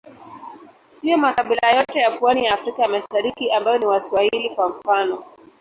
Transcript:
Siyo makabila yote ya pwani ya Afrika ya Mashariki ambao ni Waswahili, kwa mfano.